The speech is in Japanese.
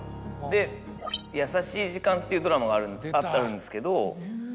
で『優しい時間』っていうドラマがあったんですけど。